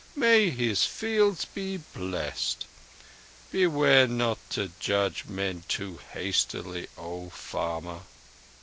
May his fields be blessed! Beware not to judge men too hastily, O farmer."